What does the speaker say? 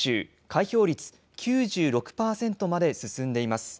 開票率９６％まで進んでいます。